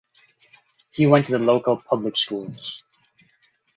He went to the local public schools.